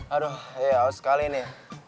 aduh ya aus sekali ini